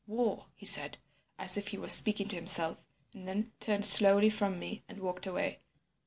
"'War,' he said, as if he were speaking to himself, and then turned slowly from me and walked away.